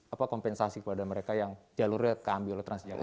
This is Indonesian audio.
apa kompensasi kepada mereka yang jalurnya keambi oleh transjakarta